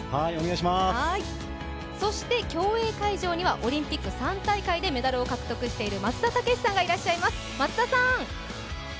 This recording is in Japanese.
そして競泳会場にはオリンピック３大会でメダルを獲得している松田丈志さんがいらっしゃいます。